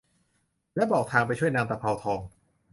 และบอกทางไปช่วยนางตะเภาทอง